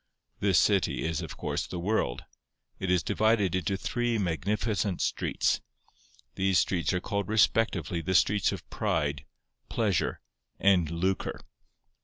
This city is, of course, the world. It is divided into three magnificent streets. These streets are called respectively the streets of Pride, Pleasure, and Lucre.